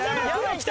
きた！